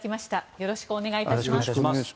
よろしくお願いします。